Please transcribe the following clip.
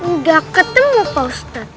nggak ketemu pak ustadz